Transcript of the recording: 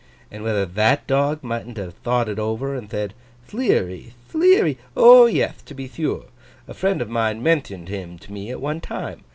And whether that dog mightn't have thought it over, and thed, "Thleary, Thleary! O yeth, to be thure! A friend of mine menthioned him to me at one time.